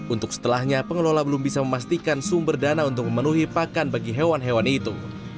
untuk setelahnya pengelola belum bisa memastikan sumber dana untuk memenuhi pakan bagi hewan hewan itu